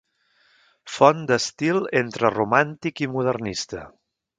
Font d'estil entre romàntic i modernista.